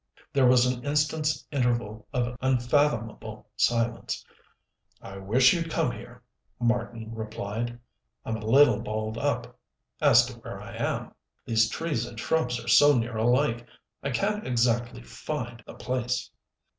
There was an instant's interval of unfathomable silence. "I wish you'd come here," Marten replied. "I'm a little balled up as to where I am. These trees and shrubs are so near alike. I can't exactly find the place."